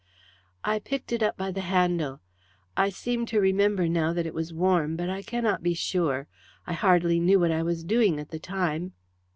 "I picked it up by the handle. I seem to remember now that it was warm, but I cannot be sure. I hardly knew what I was doing at the time."